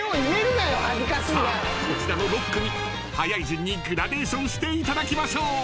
［さあこちらの６組速い順にグラデーションしていただきましょう］